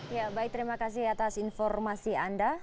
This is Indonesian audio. ya baik terima kasih atas informasi anda